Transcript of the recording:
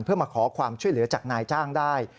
เพื่อมาขอความช่วยเหลือจากนายจ้างได้